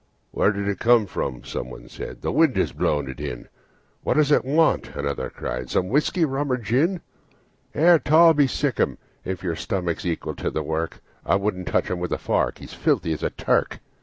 "Where did it come from?" someone said. " The wind has blown it in." "What does it want?" another cried. "Some whiskey, rum or gin?" "Here, Toby, sic 'em, if your stomach's equal to the work I wouldn't touch him with a fork, he's filthy as a Turk."